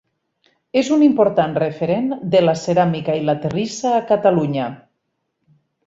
És un important referent de la ceràmica i la terrissa a Catalunya.